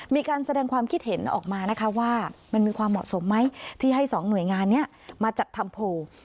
มีการแสดงความคิดเห็นออกมานะคะว่ามันมีความเหมาะสมไหมที่ให้สองหน่วยงานนี้มาจัดทำโพล